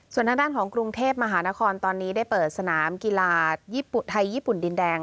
ส่วนทางด้านของกรุงเทพมหานครตอนนี้ได้เปิดสนามกีฬาไทยญี่ปุ่นดินแดง